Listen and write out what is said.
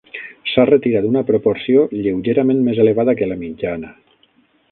S'ha retirat una proporció lleugerament més elevada que la mitjana.